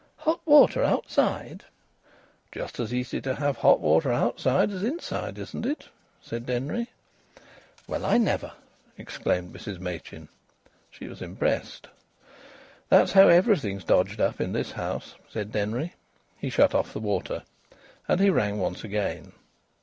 "Hot water outside?" "Just as easy to have hot water outside as inside, isn't it?" said Denry. "Well, I never!" exclaimed Mrs Machin. She was impressed. "That's how everything's dodged up in this house," said Denry. He shut off the water. And he rang once again.